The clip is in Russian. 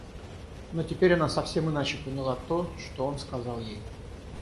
Но теперь она совсем иначе поняла то, что он сказал ей.